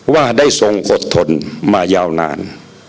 ว่าได้ทรงอดทนมายาวนาน